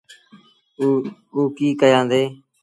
اُئي ڪيٚ ڪيآندي۔